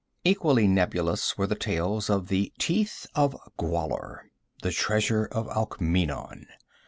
Equally nebulous were the tales of the Teeth of Gwahlur, the treasure of Alkmeenon.